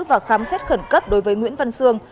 và khám xét khẩn cấp đối với nguyễn văn sương